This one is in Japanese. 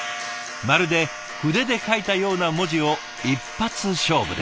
まるで筆で書いたような文字を一発勝負で。